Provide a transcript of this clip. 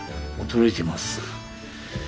驚いてます。